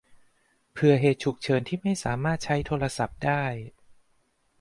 เผื่อเหตุฉุกเฉินที่ไม่สามารถใช้โทรศัพท์ได้